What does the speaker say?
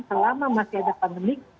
selama masih ada pandemik